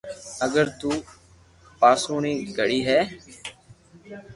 اگي تو پآݾونئي گھڙي ھي